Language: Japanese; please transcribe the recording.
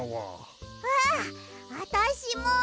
ああたしも！